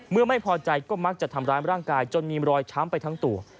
เมื่อไม่พอใจก็มักจะทำร้ายร่างกายจนมีรอยช้ำไปทั้งตัว